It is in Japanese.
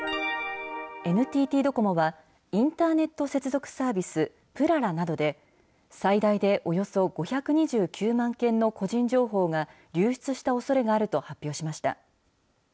ＮＴＴドコモは、インターネット接続サービス、ぷららなどで、最大でおよそ５２９万件の個人情報が流出したおそれがあると発表しました。